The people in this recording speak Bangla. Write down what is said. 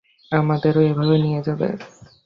আমাদেরকেও এভাবে নিয়ে যাবে?